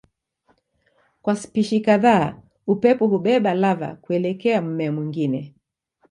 Kwa spishi kadhaa upepo hubeba lava kuelekea mmea mwingine.